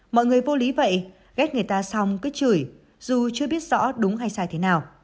mọi người vô lý vậy ghép người ta xong cứ chửi dù chưa biết rõ đúng hay sai thế nào